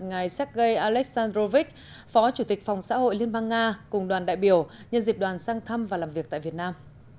ngày xét gây aleksandrovich phó chủ tịch phòng xã hội liên bang nga cùng đoàn đại biểu nhân dịp đoàn sang thăm và làm việc tại việt nam